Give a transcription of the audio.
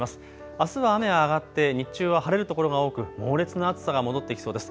あすは雨は上がって日中は晴れる所が多く猛烈な暑さが戻ってきそうです。